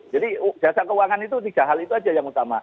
jadi jasa keuangan itu tiga hal itu saja yang utama